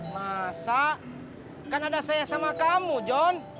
masa kan ada saya sama kamu john